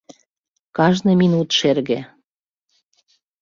Кажне минут шерге...